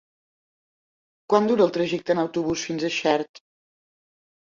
Quant dura el trajecte en autobús fins a Xert?